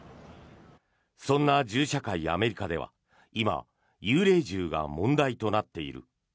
そんな銃社会、アメリカでは今、幽霊銃が問題となっている。